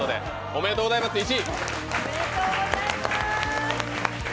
おめでとうございます、１位！